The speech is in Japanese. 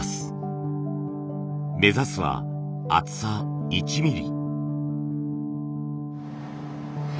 目指すは厚さ１ミリ。